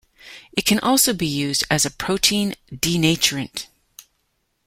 It can also be used as a protein denaturant.